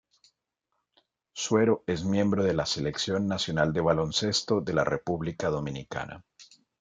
Suero es miembro de la Selección nacional de baloncesto de la República Dominicana.